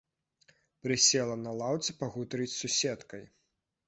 Прысела на лаўцы пагутарыць з суседкай.